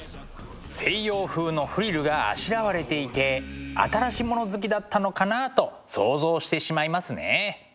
西洋風のフリルがあしらわれていて新し物好きだったのかなと想像してしまいますね。